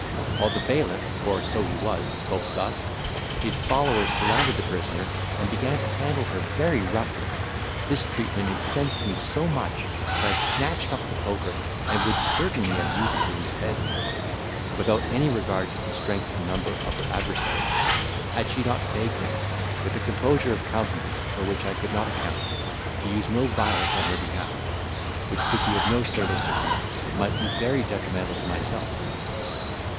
While the bailiff (for so he was) spoke thus, his followers surrounded the prisoner, and began to handle her very roughly. This treatment incensed me so much, that I snatched up the poker and would certainly have used it in defence of the lady, without any regard to the strength and number of her adversaries, had she not begged me, with a composure of countenance for which I could not account, to use no violence on her behalf, which could be of no service to her, but might be very detrimental to myself.